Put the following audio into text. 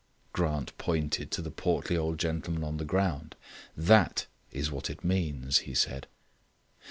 Grant pointed to the portly old gentleman on the ground. "That is what it means," he said.